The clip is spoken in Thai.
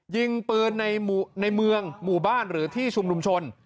ยิงปืนในเมืองหมู่บ้านหรือที่ชุมนุมชน